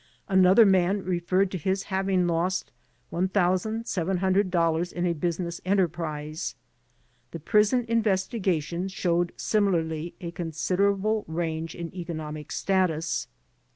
Another man referred to his having lost $1,700 in a business enterprise. The prison investiga tions showed similarly a considerable range in economic status.